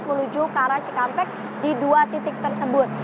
menuju ke arah cikampek di dua titik tersebut